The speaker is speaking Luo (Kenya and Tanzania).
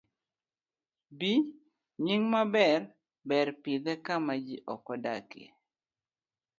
B. Nying maber. Ber pidhe kama ji ok odakie